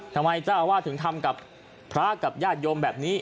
ทำไมเจ้าอาวาสถึงทำกับพระกับญาติโยมแบบนี้